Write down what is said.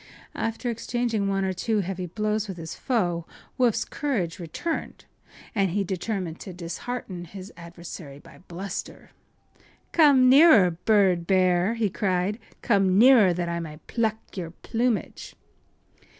After exchanging one or two heavy blows with his foe Woof’s courage returned, and he determined to dishearten his adversary by bluster. “Come nearer, bird bear!” he cried. “Come nearer, that I may pluck your plumage!